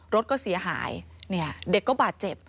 รถก็เสียหายเนี่ยเด็กก็บาดเจ็บ